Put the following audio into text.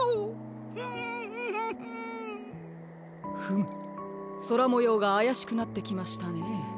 フムそらもようがあやしくなってきましたね。